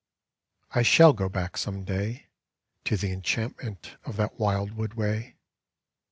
I shall go back some day To the enchantment of that wildwood way.